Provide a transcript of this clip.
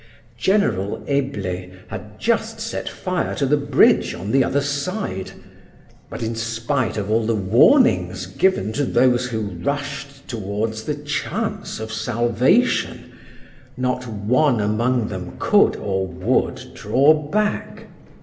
General Eble had just set fire to the bridge on the other side; but in spite of all the warnings given to those who rushed towards the chance of salvation, not one among them could or would draw back.